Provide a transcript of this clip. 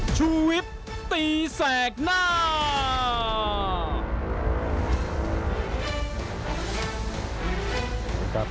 ชูวิทย์ตีแสกหน้า